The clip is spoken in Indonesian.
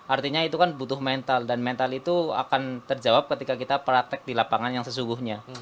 artinya itu kan butuh mental dan mental itu akan terjawab ketika kita praktek di lapangan yang sesungguhnya